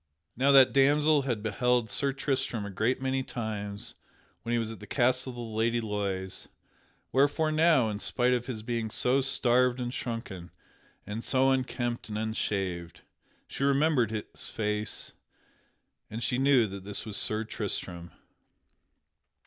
Now that damsel had beheld Sir Tristram a great many times when he was at the castle of the Lady Loise; wherefore now, in spite of his being so starved and shrunken, and so unkempt and unshaved, she remembered his face and she knew that this was Sir Tristram.